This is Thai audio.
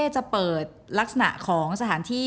จะเปิดลักษณะของสถานที่